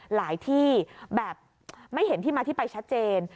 หลายที่แบบไม่เห็นที่มาที่ไปชัดเจน